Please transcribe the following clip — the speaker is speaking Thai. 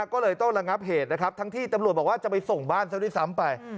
ก็เลยต้องระงับเหตุนะครับทั้งที่ตำรวจบอกว่าจะไปส่งบ้านซะด้วยซ้ำไป